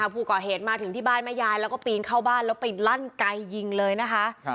ผู้ก่อเหตุมาถึงที่บ้านแม่ยายแล้วก็ปีนเข้าบ้านแล้วไปลั่นไกยิงเลยนะคะ